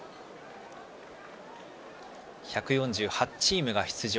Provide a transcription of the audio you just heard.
１４８チームが出場。